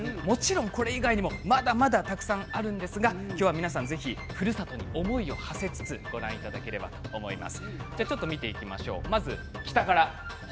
もちろんこれ以外にもまだまだたくさんあるんですがふるさとに思いをはせつつご覧いただけたらと思います。